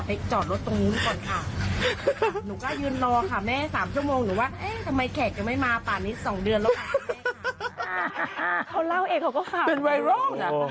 คนเล่าเอกเขาก็ข่าวเป็นไวรักษณ์นะโอ